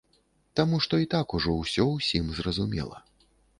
Таму што і так ужо ўсё ўсім зразумела.